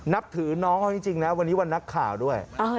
นับถือน้องเขาจริงนะวันนี้วันนักข่าวด้วย